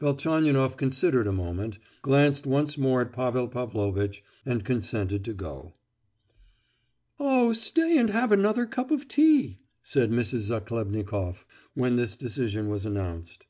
Velchaninoff considered a moment, glanced once more at Pavel Pavlovitch, and consented to go. "Oh! stay and have another cup of tea!" said Mrs. Zachlebnikoff, when this decision was announced.